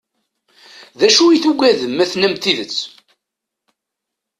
D acu i tugadem ma tennam-d tidet?